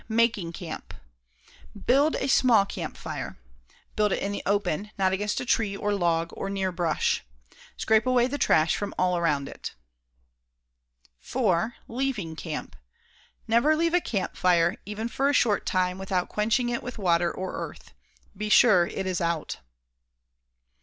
Making camp. Build a small campfire. Build it in the open, not against a tree or log, or near brush. Scrape away the trash from all around it. 4. Leaving camp. Never leave a campfire, even for a short time, without quenching it with water or earth. Be sure it is OUT.